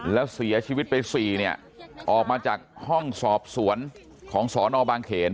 แล้วเสียชีวิตไป๔เนี่ยออกมาจากห้องสอบสวนของสนบางเขน